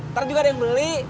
ntar juga ada yang beli